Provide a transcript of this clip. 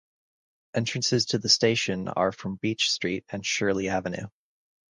Entrances to the station are from Beach Street and Shirley Avenue.